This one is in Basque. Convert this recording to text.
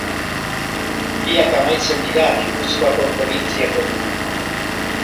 Biak amaitzen dira Gipuzkoako probintziako mugan.